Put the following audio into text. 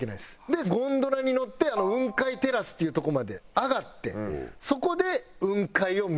でゴンドラに乗って雲海テラスっていうとこまで上がってそこで雲海を見る。